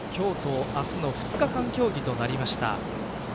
今日と明日の２日間競技となりました。